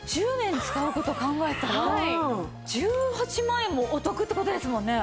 １０年使う事考えたら１８万円もお得って事ですもんね。